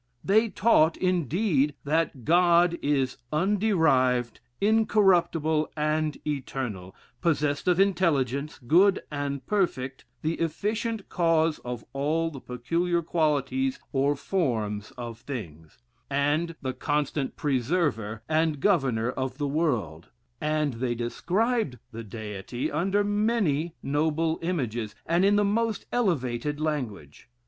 They taught, indeed, that God is underived, incorruptible, and eternal, possessed of intelligence, good and perfect, the efficient cause of all the peculiar qualities or forms of things; and the constant preserver and governor of the world; and they described the Deity under many noble images, and in the most elevated language.